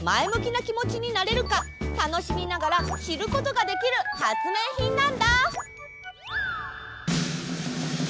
なきもちになれるかたのしみながらしることができるはつめいひんなんだ！